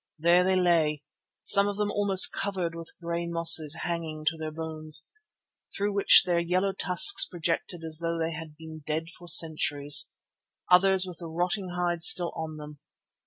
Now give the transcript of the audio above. There they lay, some of them almost covered with grey mosses hanging to their bones, through which their yellow tusks projected as though they had been dead for centuries; others with the rotting hide still on them.